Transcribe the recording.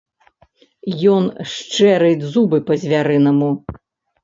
Ён шчэрыць зубы па-звярынаму.